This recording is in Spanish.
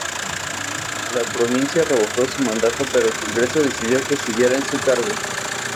La provincia revocó su mandato, pero el congreso decidió que siguiera en su cargo.